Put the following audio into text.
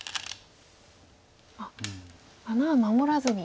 あっ穴は守らずに。